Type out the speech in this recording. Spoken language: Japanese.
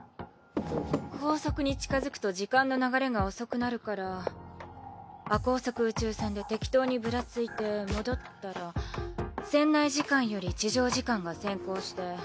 光速に近づくと時間の流れが遅くなるから亜光速宇宙船で適当にぶらついて戻ったら船内時間より地上時間が先行して。